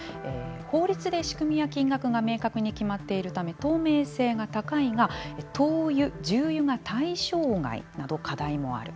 法律で仕組みや金額が明確に決まっているため透明性が高いが灯油重油が対象外など課題もある。